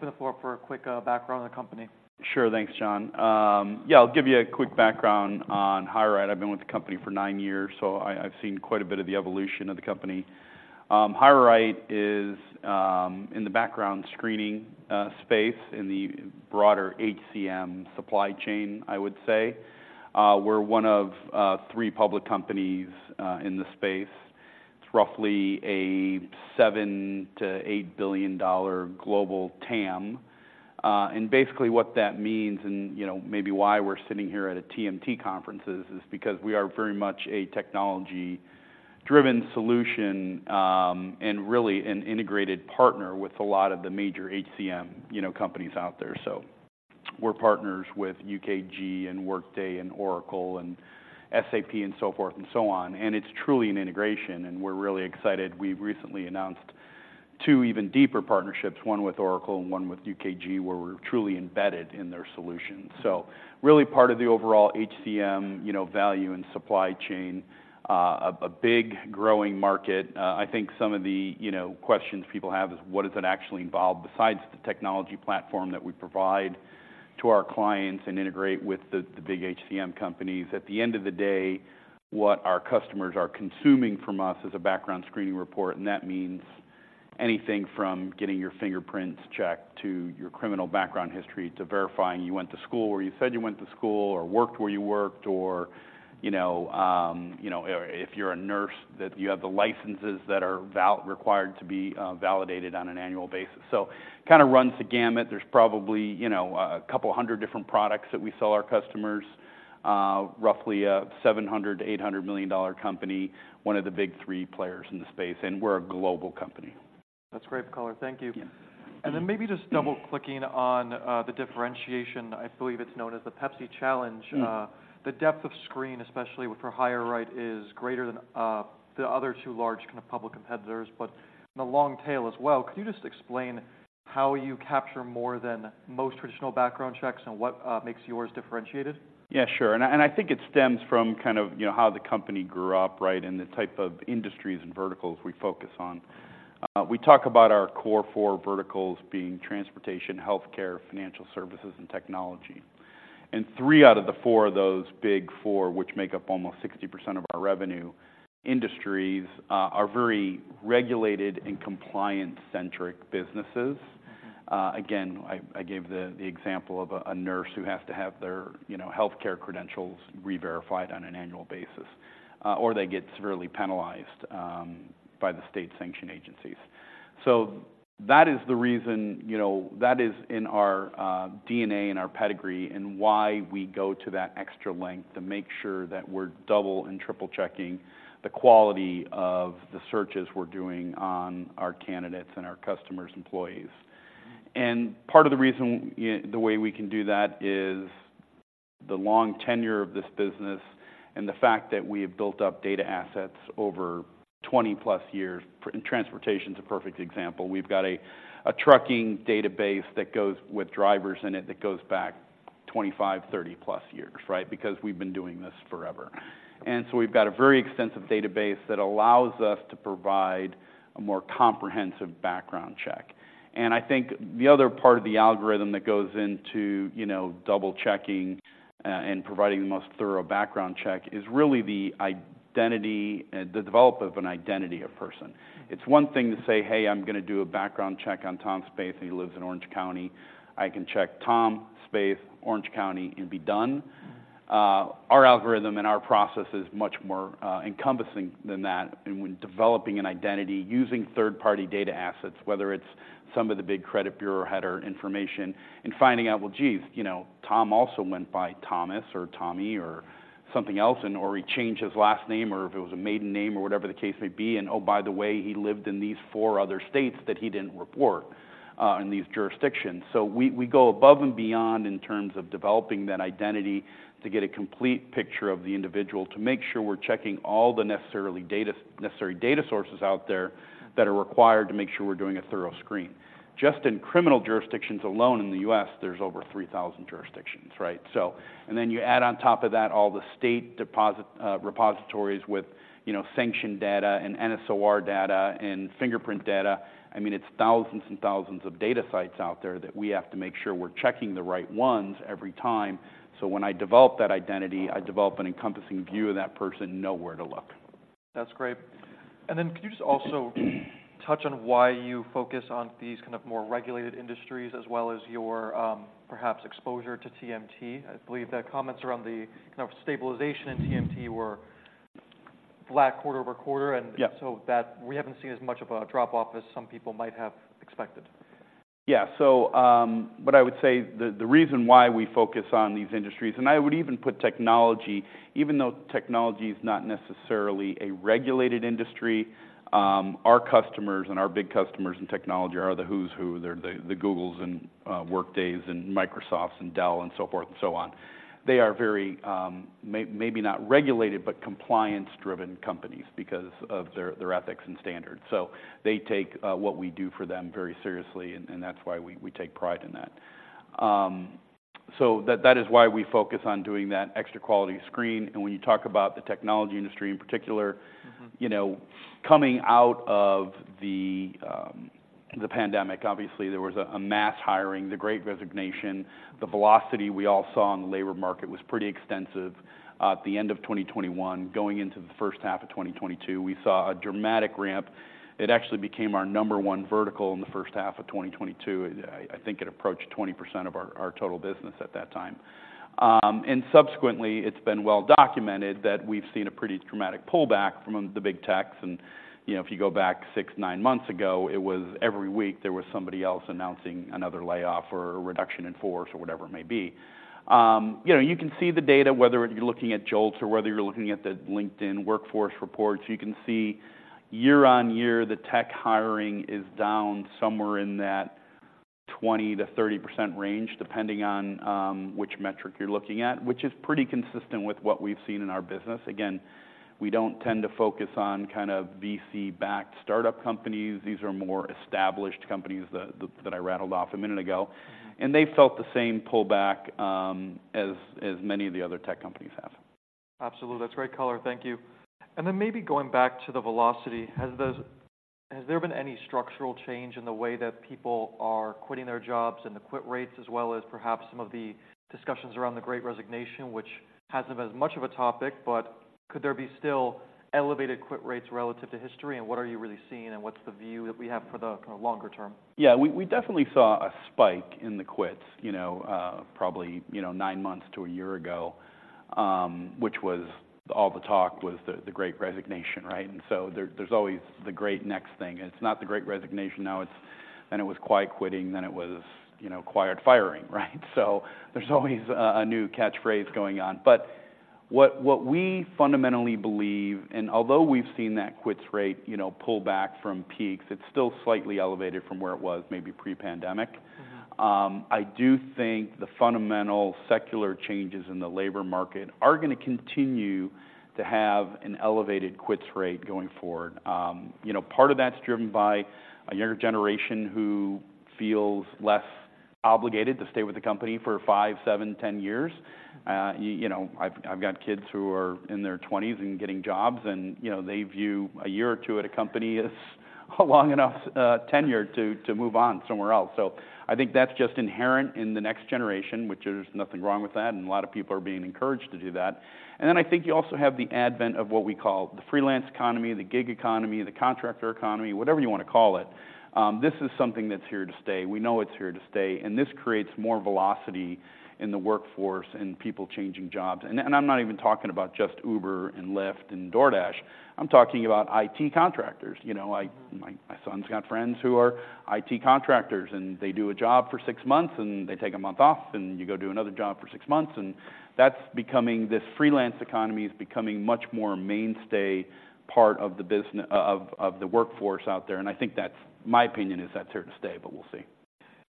There and open the floor for a quick background on the company. Sure. Thanks, John. Yeah, I'll give you a quick background on HireRight. I've been with the company for nine years, so I've seen quite a bit of the evolution of the company. HireRight is in the background screening space in the broader HCM supply chain, I would say. We're one of three public companies in the space. It's roughly a $7 billion-$ 8 billion global TAM. And basically what that means, you know, maybe why we're sitting here at a TMT conference, is because we are very much a technology-driven solution, and really an integrated partner with a lot of the major HCM, you know, companies out there. So we're partners with UKG and Workday and Oracle and SAP, and so forth and so on, and it's truly an integration, and we're really excited. We recently announced two even deeper partnerships, one with Oracle and one with UKG, where we're truly embedded in their solutions. So really part of the overall HCM, you know, value and supply chain, big growing market. I think some of the, you know, questions people have is what does it actually involve? Besides the technology platform that we provide to our clients and integrate with the big HCM companies, at the end of the day, what our customers are consuming from us is a background screening report, and that means anything from getting your fingerprints checked to your criminal background history, to verifying you went to school where you said you went to school, or worked where you worked, or, you know, if you're a nurse, that you have the licenses that are required to be validated on an annual basis. So kind of runs the gamut. There's probably, you know, a couple hundred different products that we sell our customers, roughly a $700 million-$800 million company, one of the big three players in the space, and we're a global company. That's great, color. Thank you. Yeah. Maybe just double-clicking on the differentiation, I believe it's known as the Pepsi Challenge. Mm. The depth of screen, especially with for HireRight, is greater than the other two large kind of public competitors, but in the long tail as well. Could you just explain how you capture more than most traditional background checks and what makes yours differentiated? Yeah, sure. And I, and I think it stems from kind of, you know, how the company grew up, right, and the type of industries and verticals we focus on. We talk about our core four verticals being transportation, healthcare, financial services, and technology. And three out of the four of those big four, which make up almost 60% of our revenue, industries are very regulated and compliance-centric businesses. Mm-hmm. Again, I gave the example of a nurse who has to have their, you know, healthcare credentials reverified on an annual basis, or they get severely penalized by the state sanction agencies. So that is the reason, you know, that is in our DNA and our pedigree, and why we go to that extra length to make sure that we're double and triple-checking the quality of the searches we're doing on our candidates and our customers' employees. And part of the reason, the way we can do that is the long tenure of this business and the fact that we have built up data assets over 20+ years. And transportation's a perfect example. We've got a trucking database that goes with drivers in it, that goes back 25, 30+ years, right? Because we've been doing this forever. And so we've got a very extensive database that allows us to provide a more comprehensive background check. And I think the other part of the algorithm that goes into, you know, double-checking, and providing the most thorough background check is really the identity, the development of an identity of person. It's one thing to say, "Hey, I'm going to do a background check on Tom Spaeth, and he lives in Orange County." I can check Tom, Spaeth, Orange County, and be done. Mm-hmm. Our algorithm and our process is much more encompassing than that. And when developing an identity, using third-party data assets, whether it's some of the big credit bureau header information, and finding out, well, geez, you know, Tom also went by Thomas or Tommy or something else and/or he changed his last name, or if it was a maiden name or whatever the case may be, and oh, by the way, he lived in these four other states that he didn't report in these jurisdictions. So we go above and beyond in terms of developing that identity to get a complete picture of the individual, to make sure we're checking all the necessary data sources out there that are required to make sure we're doing a thorough screen. Just in criminal jurisdictions alone in the U.S., there's over 3,000 jurisdictions, right? So, and then you add on top of that all the state depositories with, you know, sanction data and NSOR data and fingerprint data. I mean, it's thousands and thousands of data sites out there that we have to make sure we're checking the right ones every time. So when I develop that identity, I develop an encompassing view of that person and know where to look. That's great. Then could you just also touch on why you focus on these kind of more regulated industries, as well as your, perhaps exposure to TMT? I believe the comments around the, kind of, stabilization in TMT were last quarter-over-quarter, and- Yeah.... so that we haven't seen as much of a drop-off as some people might have expected. Yeah. So, but I would say the reason why we focus on these industries, and I would even put technology, even though technology is not necessarily a regulated industry, our customers and our big customers in technology are the who's who. They're the Googles and Workdays, and Microsofts, and Dell, and so forth and so on. They are very, maybe not regulated, but compliance-driven companies because of their ethics and standards. So they take what we do for them very seriously, and that's why we take pride in that. So that is why we focus on doing that extra quality screen. And when you talk about the technology industry in particular. Mm-hmm. You know, coming out of the pandemic, obviously there was a mass hiring, the Great Resignation. The velocity we all saw in the labor market was pretty extensive. At the end of 2021, going into the first half of 2022, we saw a dramatic ramp. It actually became our number one vertical in the first half of 2022. I think it approached 20% of our total business at that time. And subsequently, it's been well documented that we've seen a pretty dramatic pullback from the big techs. And, you know, if you go back 6-9 months ago, it was every week there was somebody else announcing another layoff or a reduction in force or whatever it may be. You know, you can see the data, whether you're looking at JOLTS or whether you're looking at the LinkedIn workforce reports. You can see year-on-year, the tech hiring is down somewhere in that 20%-30% range, depending on which metric you're looking at, which is pretty consistent with what we've seen in our business. Again, we don't tend to focus on kind of VC-backed startup companies. These are more established companies that I rattled off a minute ago, and they felt the same pullback as many of the other tech companies have. Absolutely. That's great color. Thank you. And then maybe going back to the velocity, has there been any structural change in the way that people are quitting their jobs and the quit rates, as well as perhaps some of the discussions around the Great Resignation, which hasn't been as much of a topic, but could there be still elevated quit rates relative to history, and what are you really seeing, and what's the view that we have for the kind of longer term? Yeah, we definitely saw a spike in the quits, you know, probably nine months to a year ago, which was all the talk was the Great Resignation, right? And so there's always the great next thing. It's not the Great Resignation now, it's... Then it was Quiet Quitting, then it was, you know, quiet firing, right? So there's always a new catchphrase going on. But what we fundamentally believe, and although we've seen that quits rate, you know, pull back from peaks, it's still slightly elevated from where it was, maybe pre-pandemic. Mm-hmm. I do think the fundamental secular changes in the labor market are gonna continue to have an elevated quits rate going forward. You know, part of that's driven by a younger generation who feels less obligated to stay with the company for five, seven, 10 years. You know, I've got kids who are in their twenties and getting jobs and, you know, they view a year or two at a company as a long enough tenure to move on somewhere else. So I think that's just inherent in the next generation, which there's nothing wrong with that, and a lot of people are being encouraged to do that. And then I think you also have the advent of what we call the freelance economy, the gig economy, the contractor economy, whatever you wanna call it. This is something that's here to stay. We know it's here to stay, and this creates more velocity in the workforce and people changing jobs. And I'm not even talking about just Uber, Lyft, and DoorDash. I'm talking about IT contractors. You know, my son's got friends who are IT contractors, and they do a job for six months, and they take a month off, and you go do another job for six months. And that's becoming... This freelance economy is becoming much more a mainstay part of the business, of the workforce out there, and I think that's my opinion is that's here to stay, but we'll see.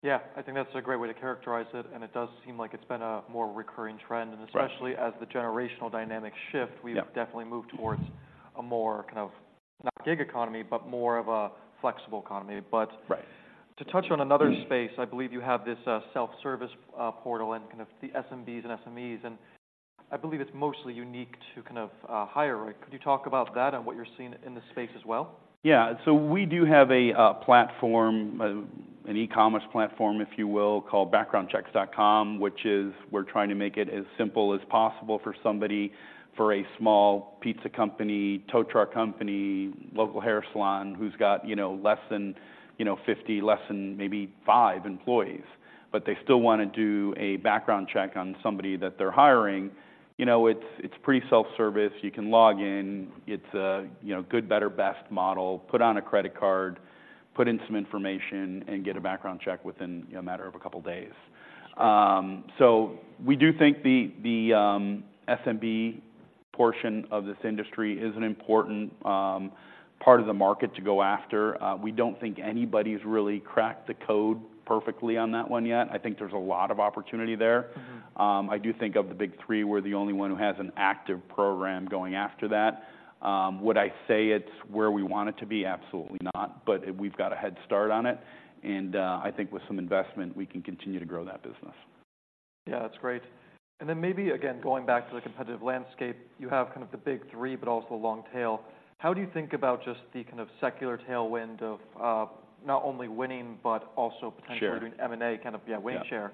Yeah. I think that's a great way to characterize it, and it does seem like it's been a more recurring trend. Right. Especially as the generational dynamics shift- Yeah. We've definitely moved toward a more kind of, not Gig Economy, but more of a flexible economy but- Right. To touch on another space, I believe you have this, self-service, portal and kind of the SMBs and SMEs, and I believe it's mostly unique to kind of, HireRight. Could you talk about that and what you're seeing in this space as well? Yeah. So we do have a platform, an e-commerce platform, if you will, called Backgroundchecks.com, which is we're trying to make it as simple as possible for somebody, for a small pizza company, tow truck company, local hair salon, who's got, you know, less than, you know, 50, less than maybe five employees, but they still wanna do a background check on somebody that they're hiring. You know, it's pretty self-service. You can log in. It's a, you know, good, better, best model, put on a credit card, put in some information, and get a background check within a matter of a couple of days. So we do think the SMB portion of this industry is an important part of the market to go after. We don't think anybody's really cracked the code perfectly on that one yet. I think there's a lot of opportunity there. Mm-hmm. I do think of the big three, we're the only one who has an active program going after that. Would I say it's where we want it to be? Absolutely not. But it, we've got a head start on it, and, I think with some investment, we can continue to grow that business. Yeah, that's great. And then maybe, again, going back to the competitive landscape, you have kind of the big three, but also a long tail. How do you think about just the kind of secular tailwind of, not only winning but also potentially- Share.... doing M&A, kind of, yeah, win share?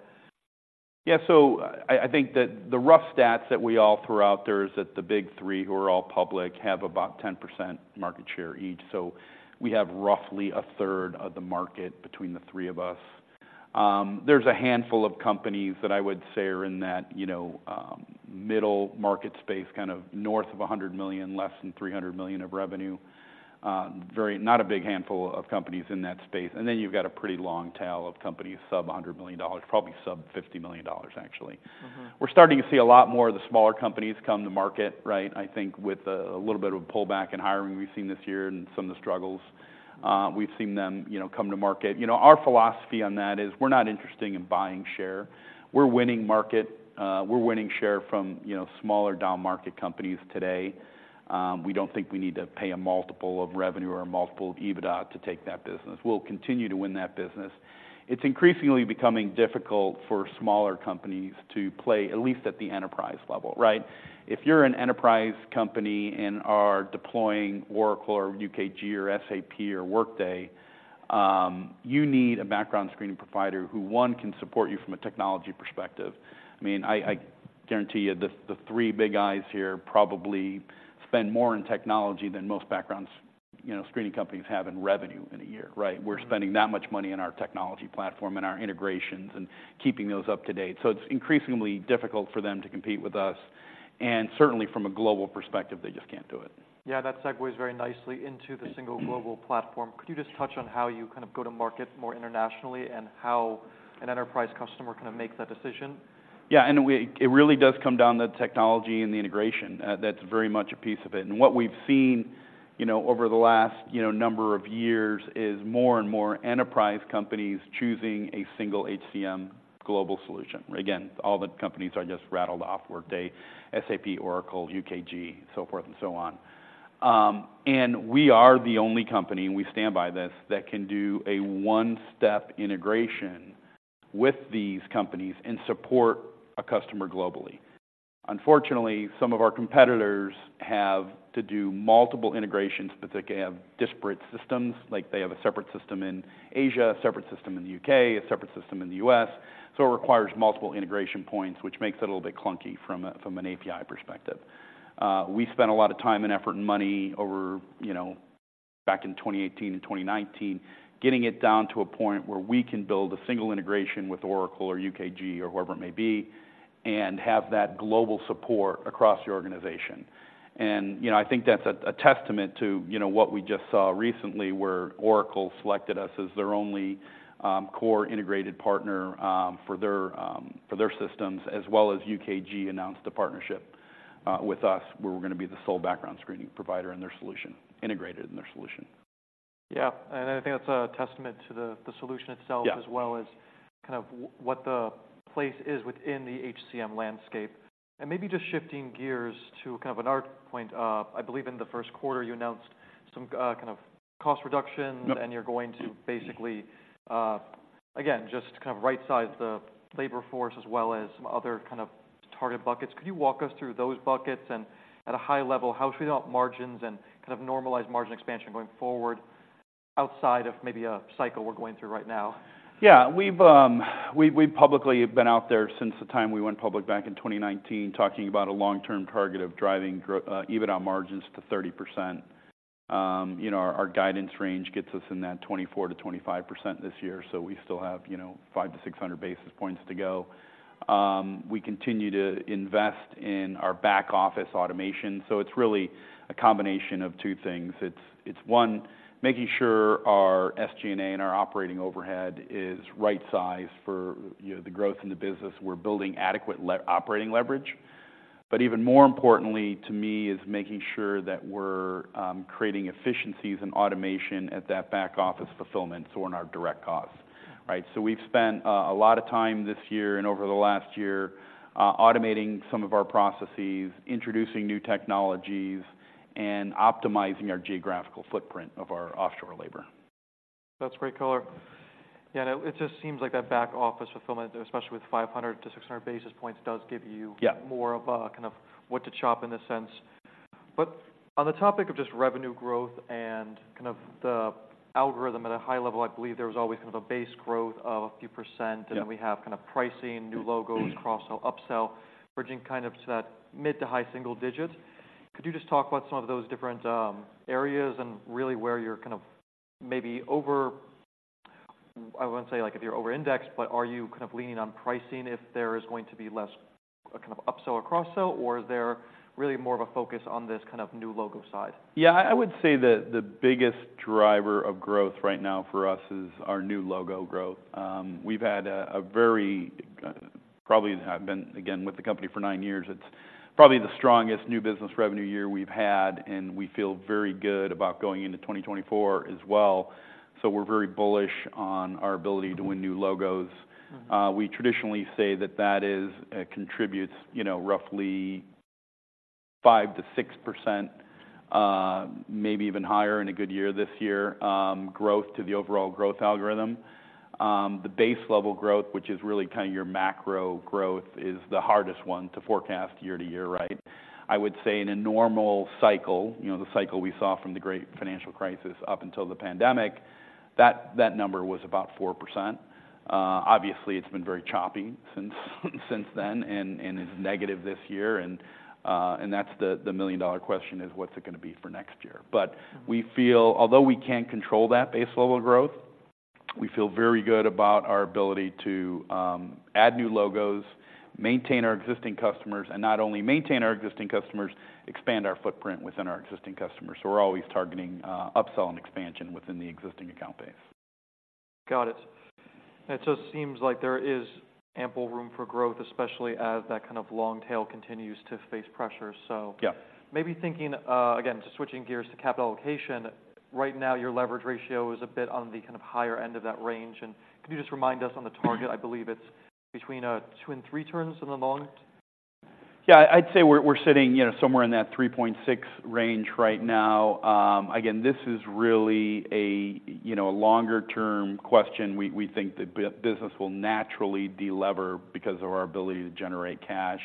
Yeah. So I, I think that the rough stats that we all throw out there is that the big three, who are all public, have about 10% market share each. So we have roughly a third of the market between the three of us. There's a handful of companies that I would say are in that, you know, middle market space, kind of north of $100 million, less than $300 million of revenue. Not a big handful of companies in that space. And then you've got a pretty long tail of companies, sub $100 million, probably sub $50 million, actually. Mm-hmm. We're starting to see a lot more of the smaller companies come to market, right? I think with a little bit of a pullback in hiring, we've seen this year and some of the struggles. We've seen them, you know, come to market. You know, our philosophy on that is we're not interested in buying share. We're winning share from, you know, smaller down-market companies today. We don't think we need to pay a multiple of revenue or a multiple of EBITDA to take that business. We'll continue to win that business. It's increasingly becoming difficult for smaller companies to play, at least at the enterprise level, right? If you're an enterprise company and are deploying Oracle or UKG or SAP or Workday, you need a background screening provider who, one, can support you from a technology perspective. I mean, I guarantee you that the three big guys here probably spend more on technology than most background, you know, screening companies have in revenue in a year, right? We're spending that much money on our technology platform and our integrations and keeping those up to date. So it's increasingly difficult for them to compete with us, and certainly from a global perspective, they just can't do it. Yeah, that segues very nicely into the single global platform. Could you just touch on how you kind of go to market more internationally, and how an enterprise customer kind of makes that decision? Yeah, it really does come down to the technology and the integration. That's very much a piece of it. What we've seen, you know, over the last, you know, number of years is more and more enterprise companies choosing a single HCM global solution. Again, all the companies I just rattled off, Workday, SAP, Oracle, UKG, so forth and so on. We are the only company, and we stand by this, that can do a one-step integration with these companies and support a customer globally. Unfortunately, some of our competitors have to do multiple integrations, but they have disparate systems. Like, they have a separate system in Asia, a separate system in the U.K., a separate system in the U.S. So it requires multiple integration points, which makes it a little bit clunky from an API perspective. We spent a lot of time and effort and money over, you know, back in 2018 and 2019, getting it down to a point where we can build a single integration with Oracle or UKG or whoever it may be, and have that global support across the organization. And, you know, I think that's a testament to, you know, what we just saw recently, where Oracle selected us as their only core integrated partner for their systems, as well as UKG announced a partnership with us, where we're gonna be the sole background screening provider in their solution, integrated in their solution. Yeah, and I think that's a testament to the solution itself- Yeah.... as well as kind of what the place is within the HCM landscape. Maybe just shifting gears to kind of another point. I believe in the first quarter, you announced some kind of cost reductions- Yep.... and you're going to basically, again, just kind of rightsize the labor force as well as some other kind of target buckets. Could you walk us through those buckets? And at a high level, how we thought margins and kind of normalized margin expansion going forward outside of maybe a cycle we're going through right now? Yeah. We've publicly been out there since the time we went public back in 2019, talking about a long-term target of driving EBITDA margins to 30%. You know, our guidance range gets us in that 24%-25% this year, so we still have, you know, 500-600 basis points to go. We continue to invest in our back office automation, so it's really a combination of two things. It's one, making sure our SG&A and our operating overhead is right size for, you know, the growth in the business. We're building adequate operating leverage. But even more importantly to me is making sure that we're creating efficiencies and automation at that back office fulfillment, so in our direct costs, right? So we've spent a lot of time this year and over the last year automating some of our processes, introducing new technologies, and optimizing our geographical footprint of our offshore labor. That's great color. Yeah, and it, it just seems like that back office fulfillment, especially with 500-600 basis points, does give you- Yeah.... more of a kind of what to chop in a sense. But on the topic of just revenue growth and kind of the algorithm at a high level, I believe there was always kind of a base growth of a few %- Yeah.... and then we have kind of pricing, new logos, cross sell, upsell, bridging kind of to that mid to high single digits. Could you just talk about some of those different areas and really where you're kind of maybe over... I wouldn't say, like, if you're over indexed, but are you kind of leaning on pricing if there is going to be less a kind of upsell or cross sell, or is there really more of a focus on this kind of new logo side? Yeah, I would say that the biggest driver of growth right now for us is our new logo growth. We've had a very, probably have been with the company for nine years, it's probably the strongest new business revenue year we've had, and we feel very good about going into 2024 as well. We're very bullish on our ability to win new logos. Mm-hmm. We traditionally say that that is contributes, you know, roughly 5%-6%, maybe even higher in a good year this year, growth to the overall growth algorithm. The base level growth, which is really kind of your macro growth, is the hardest one to forecast year to year, right? I would say in a normal cycle, you know, the cycle we saw from the Great Financial Crisis up until the pandemic, that, that number was about 4%. Obviously, it's been very choppy since, since then and, and is negative this year. And, and that's the, the million dollar question, is what's it gonna be for next year? But we feel... Although we can't control that base level growth, we feel very good about our ability to add new logos, maintain our existing customers, and not only maintain our existing customers, expand our footprint within our existing customers. So we're always targeting upsell and expansion within the existing account base. Got it. It just seems like there is ample room for growth, especially as that kind of long tail continues to face pressures, so- Yeah.... maybe thinking, again, just switching gears to capital allocation. Right now, your leverage ratio is a bit on the kind of higher end of that range. Could you just remind us on the target? I believe it's between 2 and 3 turns in the long term? Yeah, I'd say we're sitting, you know, somewhere in that 3.6 range right now. Again, this is really a longer term question. We think the business will naturally delever because of our ability to generate cash.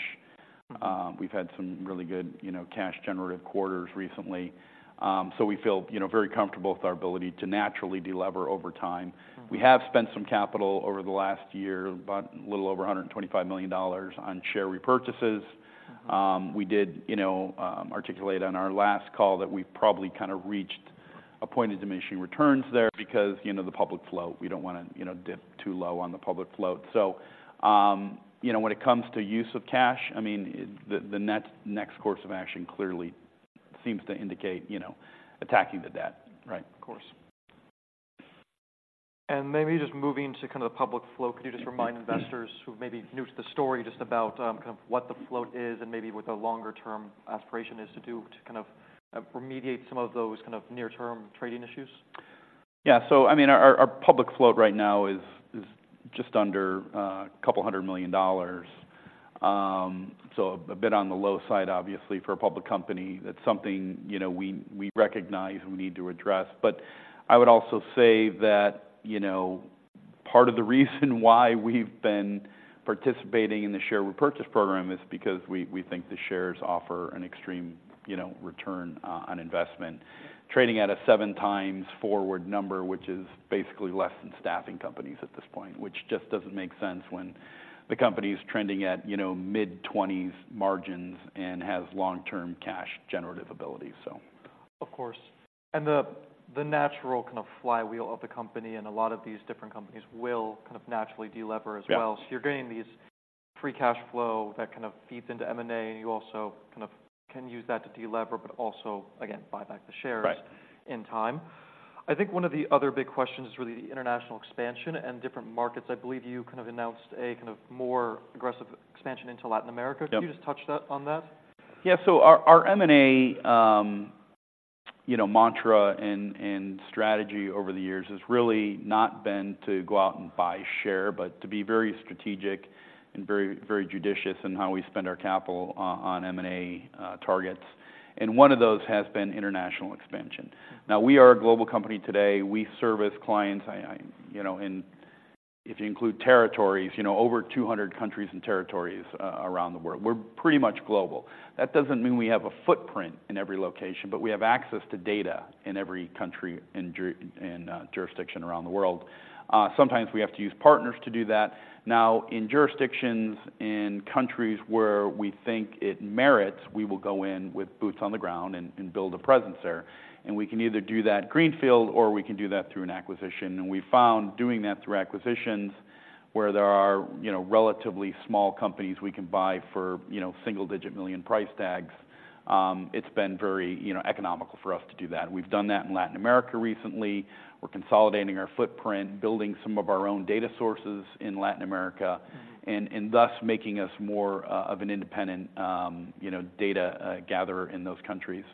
We've had some really good, you know, cash generative quarters recently. So we feel, you know, very comfortable with our ability to naturally delever over time. We have spent some capital over the last year, about a little over $125 million on share repurchases. We did, you know, articulate on our last call that we've probably kind of reached a point of diminishing returns there because, you know, the public float, we don't wanna, you know, dip too low on the public float. So, you know, when it comes to use of cash, I mean, the next course of action clearly seems to indicate, you know, attacking the debt. Right, of course. Maybe just moving to kind of the public float, could you just remind investors who may be new to the story, just about kind of what the float is and maybe what the longer term aspiration is to do to kind of remediate some of those kind of near-term trading issues? Yeah. I mean, our public float right now is just under $200 million. So a bit on the low side, obviously, for a public company. That's something, you know, we recognize we need to address. But I would also say that, you know, part of the reason why we've been participating in the share repurchase program is because we think the shares offer an extreme, you know, return on investment. Trading at a 7x forward number, which is basically less than staffing companies at this point, which just doesn't make sense when the company is trending at, you know, mid-20s margins and has long-term cash generative ability, so. Of course. And the natural kind of flywheel of the company and a lot of these different companies will kind of naturally delever as well. Yeah. You're getting these free cash flow that kind of feeds into M&A, and you also kind of can use that to delever, but also, again, buy back the shares- Right. - in time. I think one of the other big questions is really the international expansion and different markets. I believe you kind of announced a kind of more aggressive expansion into Latin America. Yep. Could you just touch that, on that? Yeah. So our, our M&A, you know, mantra and, and strategy over the years has really not been to go out and buy share, but to be very strategic and very, very judicious in how we spend our capital on M&A targets, and one of those has been international expansion. Now, we are a global company today. We service clients. You know, and if you include territories, you know, over 200 countries and territories around the world. We're pretty much global. That doesn't mean we have a footprint in every location, but we have access to data in every country and jurisdiction around the world. Sometimes we have to use partners to do that. Now, in jurisdictions, in countries where we think it merits, we will go in with boots on the ground and build a presence there, and we can either do that greenfield or we can do that through an acquisition. We found doing that through acquisitions, where there are, you know, relatively small companies we can buy for, you know, single-digit million price tags, it's been very, you know, economical for us to do that. We've done that in Latin America recently. We're consolidating our footprint, building some of our own data sources in Latin America, and thus making us more of an independent, you know, data gatherer in those countries.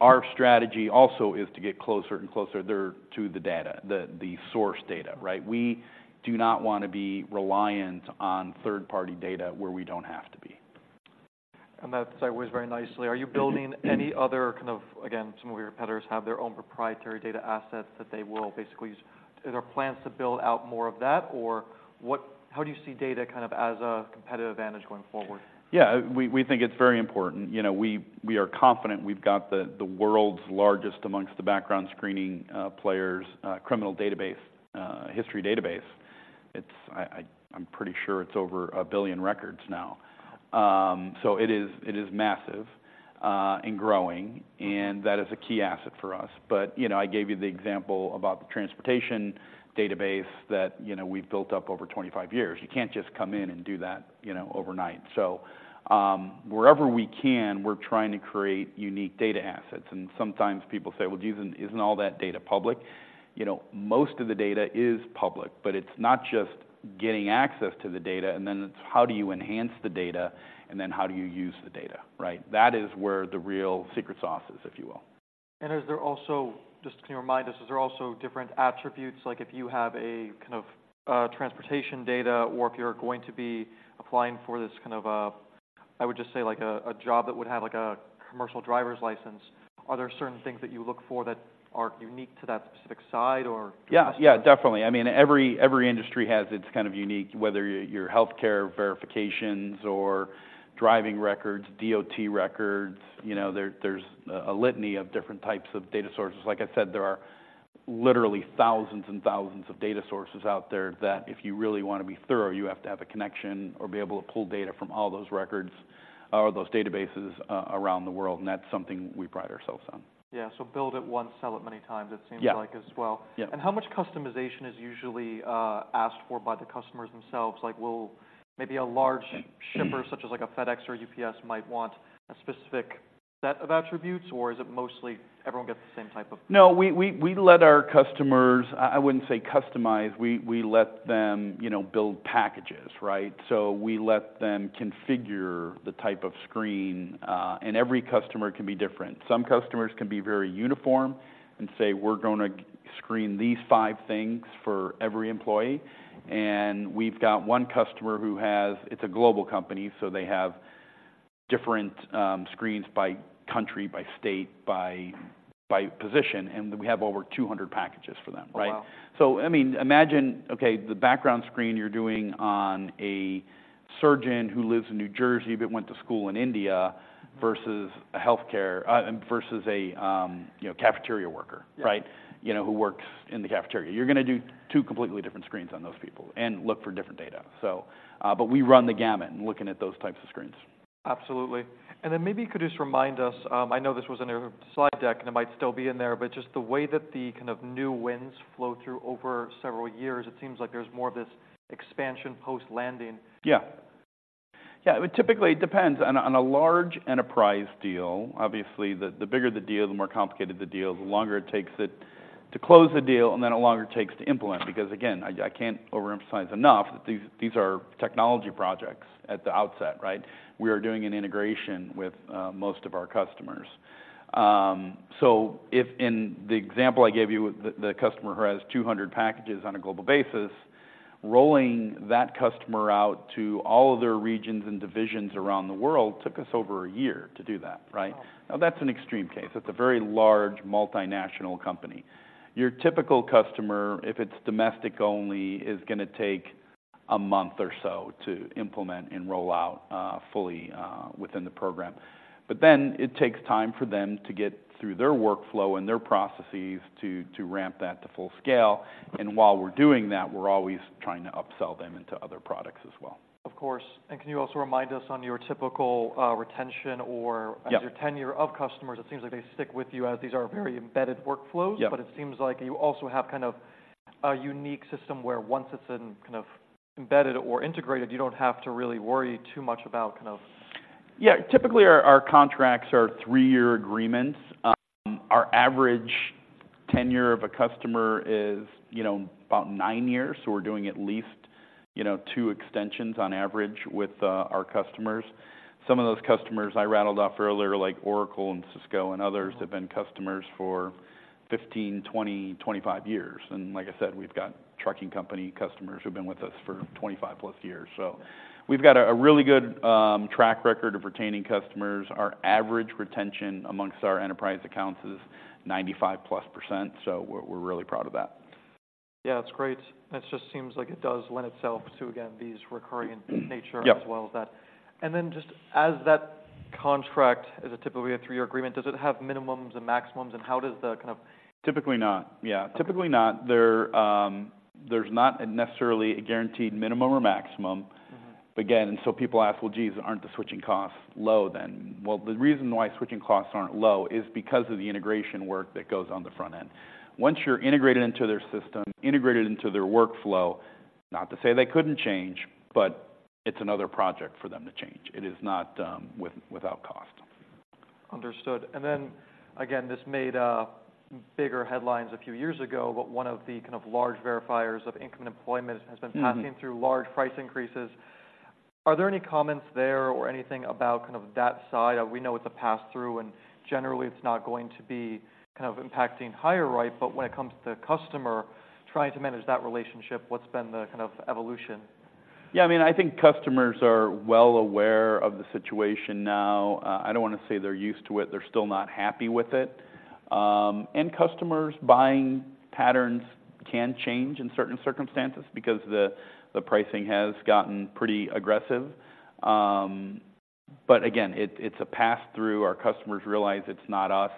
Our strategy also is to get closer and closer there to the data, the source data, right? We do not wanna be reliant on third-party data where we don't have to be. That's always very nicely. Are you building any other kind of... Again, some of your competitors have their own proprietary data assets that they will basically use. Are there plans to build out more of that, or how do you see data kind of as a competitive advantage going forward? Yeah, we think it's very important. You know, we are confident we've got the world's largest amongst the background screening players, criminal database, history database. It's. I'm pretty sure it's over a billion records now. So it is massive and growing, and that is a key asset for us. But, you know, I gave you the example about the transportation database that, you know, we've built up over 25 years. You can't just come in and do that, you know, overnight. So, wherever we can, we're trying to create unique data assets. Sometimes people say: "Well, isn't all that data public?" You know, most of the data is public, but it's not just getting access to the data, and then it's how do you enhance the data, and then how do you use the data, right? That is where the real secret sauce is, if you will. Is there also different attributes, like if you have a kind of transportation data or if you're going to be applying for this kind of, I would just say, like a job that would have, like a commercial driver's license, are there certain things that you look for that are unique to that specific side or? Yeah. Yeah, definitely. I mean, every industry has its kind of unique, whether your healthcare verifications or driving records, DOT records, you know, there's a litany of different types of data sources. Like I said, there are literally thousands and thousands of data sources out there, that if you really wanna be thorough, you have to have a connection or be able to pull data from all those records or those databases around the world, and that's something we pride ourselves on. Yeah, so build it once, sell it many times, it seems- Yeah. like, as well. Yeah. How much customization is usually asked for by the customers themselves? Like, will maybe a large shipper, such as like a FedEx or UPS, might want a specific set of attributes, or is it mostly everyone gets the same type of- No, we let our customers... I wouldn't say customize. We let them, you know, build packages, right? So we let them configure the type of screen, and every customer can be different. Some customers can be very uniform and say: "We're gonna screen these five things for every employee, and we've got one customer who has. It's a global company, so they have different screens by country, by state, by position, and we have over 200 packages for them, right? Oh, wow! I mean, imagine, okay, the background screen you're doing on a surgeon who lives in New Jersey but went to school in India, versus a, you know, cafeteria worker. Yeah. Right? You know, who works in the cafeteria. You're gonna do two completely different screens on those people and look for different data. So, but we run the gamut in looking at those types of screens. Absolutely. And then maybe you could just remind us. I know this was in your slide deck, and it might still be in there, but just the way that the kind of new wins flow through over several years. It seems like there's more of this expansion post-landing. Yeah. Yeah, it typically depends. On a large enterprise deal, obviously, the bigger the deal, the more complicated the deal, the longer it takes it to close the deal, and then the longer it takes to implement. Because, again, I can't overemphasize enough that these are technology projects at the outset, right? We are doing an integration with most of our customers. So if in the example I gave you, with the customer who has 200 packages on a global basis, rolling that customer out to all of their regions and divisions around the world took us over a year to do that, right? Now, that's an extreme case. That's a very large multinational company. Your typical customer, if it's domestic only, is gonna take a month or so to implement and roll out, fully, within the program. But then it takes time for them to get through their workflow and their processes to ramp that to full scale, and while we're doing that, we're always trying to upsell them into other products as well. Of course. And can you also remind us on your typical, retention or- Yeah.... as your tenure of customers, it seems like they stick with you, as these are very embedded workflows. Yeah. It seems like you also have kind of a unique system where once it's in kind of embedded or integrated, you don't have to really worry too much about kind of... Yeah. Typically, our contracts are three-year agreements. Our average tenure of a customer is, you know, about nine years, so we're doing at least, you know, two extensions on average with our customers. Some of those customers I rattled off earlier, like Oracle and Cisco and others, have been customers for 15, 20, 25 years. And like I said, we've got trucking company customers who've been with us for 25+ years. So we've got a really good track record of retaining customers. Our average retention amongst our enterprise accounts is 95+%, so we're really proud of that. Yeah, it's great. It just seems like it does lend itself to, again, these recurring nature- Yep.... as well as that. Then just as that contract is typically a three-year agreement, does it have minimums and maximums, and how does the kind of- Typically not. Yeah. Okay. Typically not. There, there's not necessarily a guaranteed minimum or maximum. Mm-hmm. Again, people ask: "Well, geez, aren't the switching costs low then?" Well, the reason why switching costs aren't low is because of the integration work that goes on the front end. Once you're integrated into their system, integrated into their workflow, not to say they couldn't change, but it's another project for them to change. It is not without cost. Understood. And then, again, this made bigger headlines a few years ago, but one of the kind of large verifiers of income and employment- Mm-hmm.... has been passing through large price increases. Are there any comments there or anything about kind of that side? We know it's a pass-through, and generally, it's not going to be kind of impacting HireRight. But when it comes to the customer trying to manage that relationship, what's been the kind of evolution? Yeah, I mean, I think customers are well aware of the situation now. I don't wanna say they're used to it. They're still not happy with it. And customers' buying patterns can change in certain circumstances because the pricing has gotten pretty aggressive. But again, it, it's a pass-through. Our customers realize it's not us,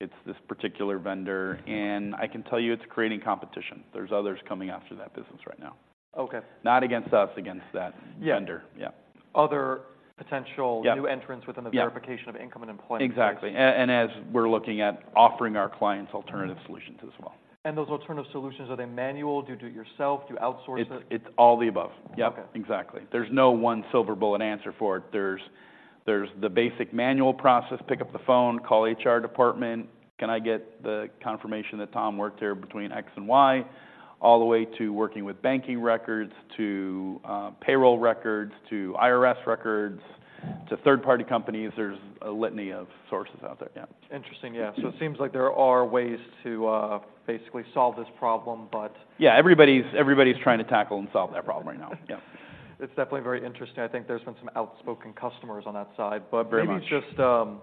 it's this particular vendor, and I can tell you, it's creating competition. There's others coming after that business right now. Okay. Not against us, against that- Yeah.... vendor. Yeah. Other potential- Yeah.... new entrants within the- Yeah.... verification of income and employment. Exactly. And as we're looking at offering our clients alternative solutions as well. Those alternative solutions, are they manual? Do you do it yourself? Do you outsource it? It's all the above. Okay. Yep, exactly. There's no one silver bullet answer for it. There's the basic manual process: pick up the phone, call HR department. "Can I get the confirmation that Tom worked here between X and Y?" All the way to working with banking records, to payroll records, to IRS records, to third-party companies. There's a litany of sources out there. Yeah. Interesting. Yeah. Mm-hmm. It seems like there are ways to basically solve this problem, but... Yeah, everybody's, everybody's trying to tackle and solve that problem right now. Yeah. It's definitely very interesting. I think there's been some outspoken customers on that side. Very much. Maybe just,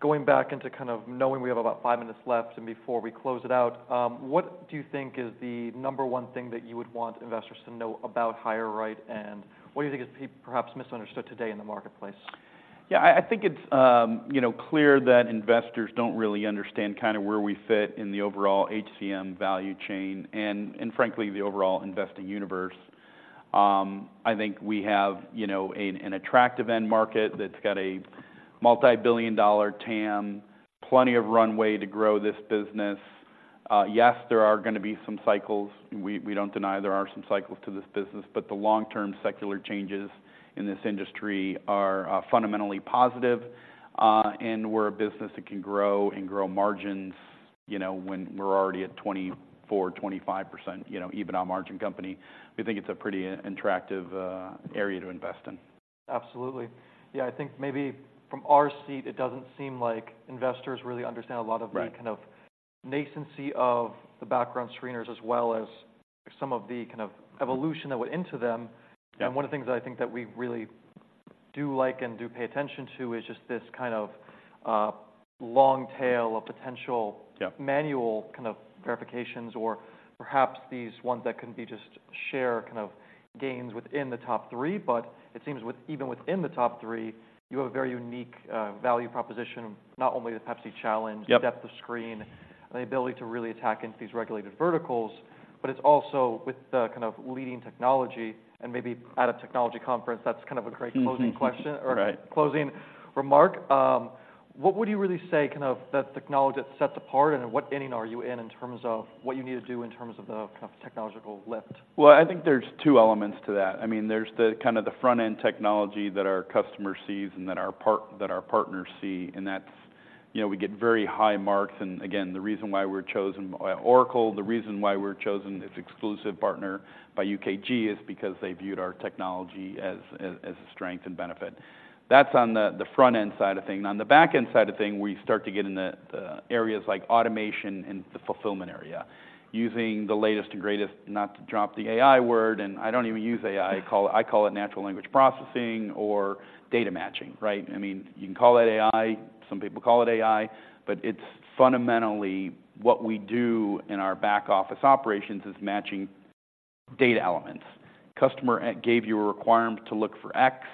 going back into kind of knowing we have about five minutes left and before we close it out, what do you think is the number one thing that you would want investors to know about HireRight, and what do you think is perhaps misunderstood today in the marketplace? Yeah, I think it's, you know, clear that investors don't really understand kind of where we fit in the overall HCM value chain and frankly, the overall investing universe. I think we have, you know, an attractive end market that's got a multibillion-dollar TAM, plenty of runway to grow this business. Yes, there are gonna be some cycles. We don't deny there are some cycles to this business, but the long-term secular changes in this industry are fundamentally positive. And we're a business that can grow and grow margins, you know, when we're already at 24%-25%, you know, EBITDA margin company. We think it's a pretty attractive area to invest in.... Absolutely. Yeah, I think maybe from our seat, it doesn't seem like investors really understand a lot of the- Right. kind of nascency of the background screeners, as well as some of the kind of evolution that went into them. Yeah. One of the things that I think that we really do like and do pay attention to is just this kind of, long tail of potential- Yeah. -manual kind of verifications or perhaps these ones that can be just share kind of gains within the top three. But it seems with, even within the top three, you have a very unique, value proposition, not only the Pepsi Challenge- Yep. the depth of screening, and the ability to really attack into these regulated verticals, but it's also with the kind of leading technology and maybe at a technology conference, that's kind of a great closing question or Right. Closing remark. What would you really say, kind of, that technology that sets apart, and in what inning are you in in terms of what you need to do in terms of the kind of technological lift? Well, I think there's two elements to that. I mean, there's the kind of the front-end technology that our customer sees and that our partners see, and that's, you know, we get very high marks, and again, the reason why we're chosen by Oracle, the reason why we're chosen as exclusive partner by UKG is because they viewed our technology as a strength and benefit. That's on the front-end side of things. On the back-end side of things, we start to get into the areas like automation and the fulfillment area, using the latest and greatest, not to drop the AI word, and I don't even use AI. I call it natural language processing or data matching, right? I mean, you can call it AI, some people call it AI, but it's fundamentally what we do in our back office operations is matching data elements. Customer gave you a requirement to look for X,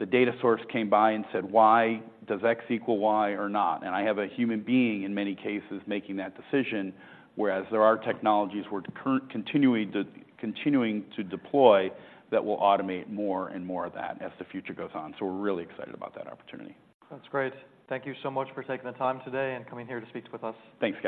the data source came by and said, "Y, does X equal Y or not?" And I have a human being, in many cases, making that decision, whereas there are technologies we're continuing to deploy that will automate more and more of that as the future goes on. So we're really excited about that opportunity. That's great. Thank you so much for taking the time today and coming here to speak with us. Thanks.